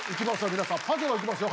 みなさんパジェロいきますよ